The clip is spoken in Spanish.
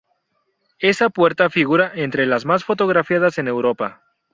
Esa puerta figura entre las más fotografiadas en Europa.